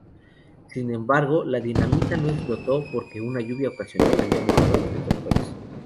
Sin embargo la dinamita no explotó porque una lluvia ocasional había mojado los detonadores.